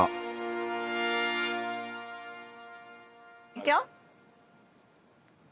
いくよ。